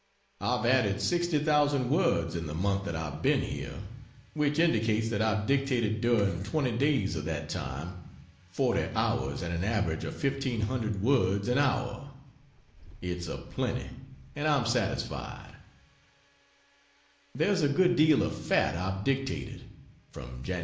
I've added 60,000 words in the month that I've been here; which indicates that I've dictated during 20 days of that time 40 hours, at an average of 1,500 words an hour. It's a plenty, and I am satisfied. There's a good deal of "fat" I've dictated, (from Jan.